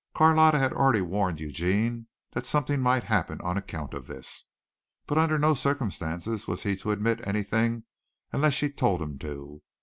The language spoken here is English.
Carlotta had already warned Eugene that something might happen on account of this, but under no circumstances was he to admit anything unless she told him to.